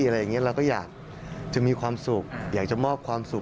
เราก็อยากจะมีความสุขอยากจะมอบความสุข